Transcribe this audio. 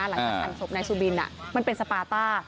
หลังจากหั่นศพนายสุบินมันเป็นสปาต้า